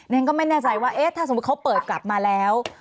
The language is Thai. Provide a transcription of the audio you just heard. ฉันก็ไม่แน่ใจว่าเอ๊ะถ้าสมมุติเขาเปิดกลับมาแล้ว